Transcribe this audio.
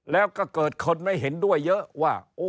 แล้วก็เกิดคนไม่เห็นด้วยเยอะว่า